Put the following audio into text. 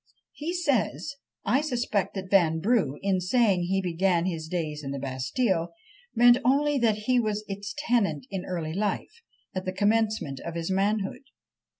He says, "I suspect that Vanbrugh, in saying he began his days in the Bastile, meant only that he was its tenant in early life at the commencement of his manhood."